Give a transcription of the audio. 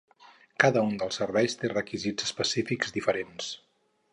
Cada un dels serveis té requisits específics diferents.